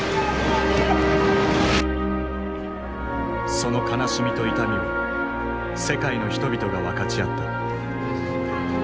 その悲しみと痛みを世界の人々が分かち合った。